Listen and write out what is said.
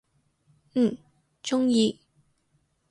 嗯，中意！